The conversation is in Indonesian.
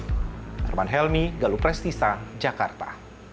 herman helmy galuh prestisa jakarta